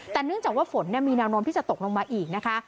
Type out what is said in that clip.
แต่เนื่องจากว่าฝนมีแนวโน้มที่จะตกลงมาอีกนะคะ